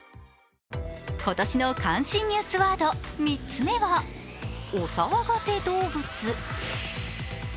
今年の関心ニュースワード、３つ目はお騒がせ動物。